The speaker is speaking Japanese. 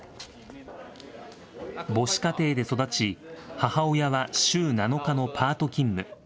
母子家庭で育ち、母親は週７日のパート勤務。